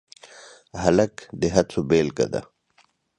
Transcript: هلک د هڅو بیلګه ده.